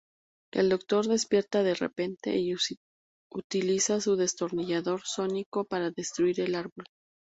El Doctor despierta de repente y utiliza su destornillador sónico para destruir el árbol.